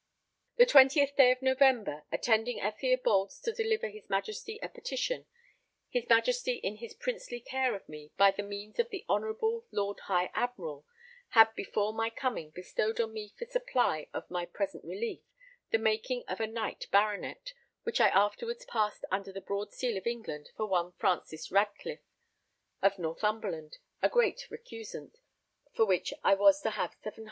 The 20th day of November, attending at Theobalds to deliver his Majesty a petition, his Majesty in his princely care of me, by the means of the honourable Lord High Admiral, had before my coming bestowed on me for supply of my present relief the making of a knight baronet, which I afterwards passed under the broad seal of England for one Francis Radclyffe of Northumberland, a great recusant, for which I was to have 700_l.